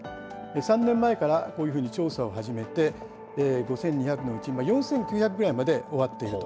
３年前から、こういうふうに調査を始めて、５２００のうち４９００ぐらいまで終わっていると。